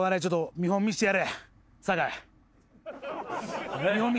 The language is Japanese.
見本見してやれ。